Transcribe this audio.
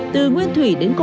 từ nguyên thủy đến tổ chức